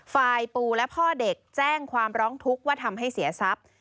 ฝ่ายปู่และพ่อเด็กแจ้งความร้องทุกข์ว่าทำให้เสียทรัพย์